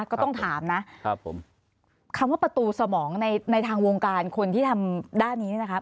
ก็ต้องถามนะครับผมคำว่าประตูสมองในในทางวงการคนที่ทำด้านนี้เนี่ยนะครับ